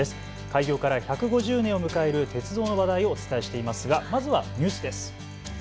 開業から１５０年を迎える鉄道の話題をお伝えしていますがまずはニュースです。